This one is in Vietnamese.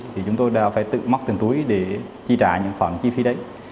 thì chúng tôi đã phải tự móc tiền túi để chi trả những khoản chi phí đấy